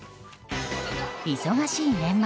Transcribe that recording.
忙しい年末。